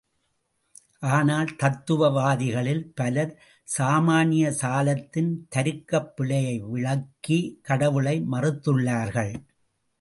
ஆனால் தத்துவ வாதிகளில் பலர் சாமான்ய சாலத்தின் தருக்கப் பிழையை விளக்கி கடவுளை மறுத்துள்ளார்கள்.